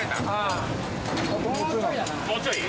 もうちょい？